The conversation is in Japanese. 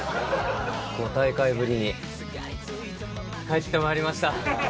５大会ぶりに帰ってまいりました。